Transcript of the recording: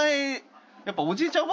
やっぱりおじいちゃん